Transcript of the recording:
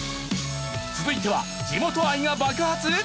続いては地元愛が爆発！？